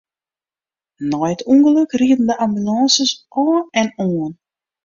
Nei it ûngelok rieden de ambulânsen ôf en oan.